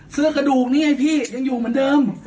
กระดูกนี่ไงพี่ยังอยู่เหมือนเดิม